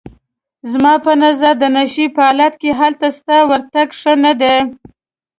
زما په نظر د نشې په حالت کې هلته ستا ورتګ ښه نه دی.